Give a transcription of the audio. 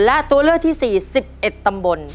และตัวเลือกที่๔๑๑ตำบล